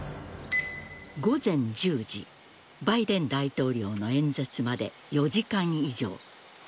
午前１０時バイデン大統領の演説まで４時間以上。